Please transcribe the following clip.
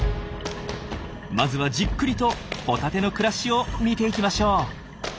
まずはじっくりとホタテの暮らしを見ていきましょう。